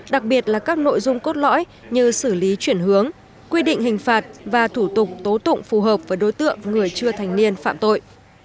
đặc biệt là các nội dung cốt lõi như xử lý chuyển hướng quy định hình phạt và thủ tục tố tụng phù hợp với đối tượng người chưa thành niên phạm tội